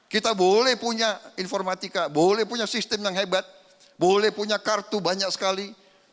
kita boleh punya informatika boleh punya sistem yang hebat boleh punya kartu banyak sekali